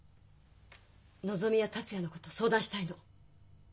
のぞみや達也のこと相談したいの。